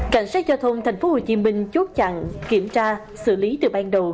cảnh sát giao thông tp hcm chốt chặn kiểm tra xử lý từ ban đầu